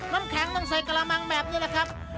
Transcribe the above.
น้ำแข็งต้องใส่กระมังแบบนี้แหละครับ